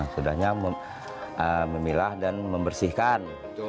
sudahnya memilah dan membersihkan